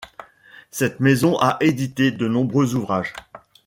Cette maison a édité de nombreux ouvrages.